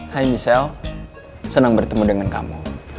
hai michelle senang bertemu dengan kamu